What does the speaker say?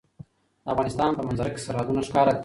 د افغانستان په منظره کې سرحدونه ښکاره ده.